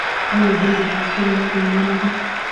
آیا دوی د بایسکل لارې نلري؟